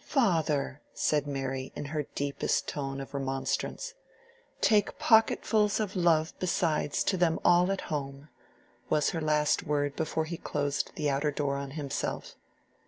"Father!" said Mary, in her deepest tone of remonstrance. "Take pocketfuls of love besides to them all at home," was her last word before he closed the outer door on himself.